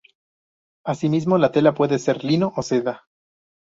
Asimismo, la tela puede ser lino o seda.